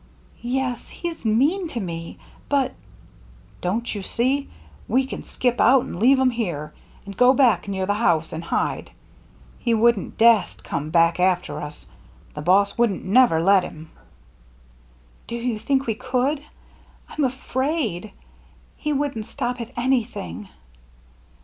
" Yes, he's mean to me. But —"" Don't you see — we can skip out and leave 'em here, and go back near the house and hide. He wouldn't dast come back after us. The boss wouldn't never let him." " Do you think we could ? I'm afraid. He wouldn't stop at anything."